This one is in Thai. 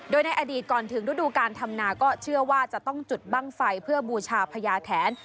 โดยในอดีตก่อนถึงฤดูการทำนาก็เชื่อว่าจะต้องจุดบ้างไฟเพื่อบูชาพญาแทน